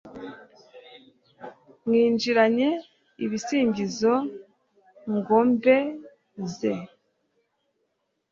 mwinjirane ibisingizo mu ngombe ze